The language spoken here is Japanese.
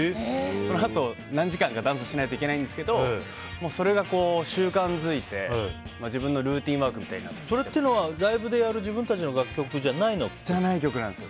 そのあと何時間かダンスをしないといけないんですけどそれが習慣づいて自分のルーティンワークみたいにそれはライブでやるじゃない曲です。